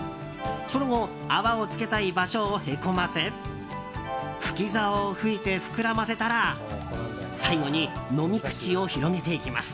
その後泡をつけたい場所をへこませ吹き竿を吹いて、膨らませたら最後に飲み口を広げていきます。